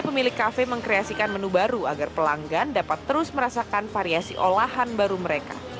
pemilik kafe mengkreasikan menu baru agar pelanggan dapat terus merasakan variasi olahan baru mereka